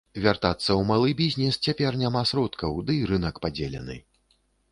Вяртацца ў малы бізнес цяпер няма сродкаў, дый рынак падзелены.